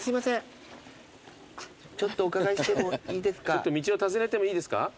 ちょっと道を尋ねてもいいですか？